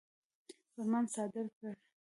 فرمان صادر کړ.